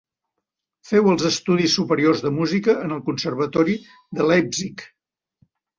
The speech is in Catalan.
Féu els estudis superiors de música en el Conservatori de Leipzig.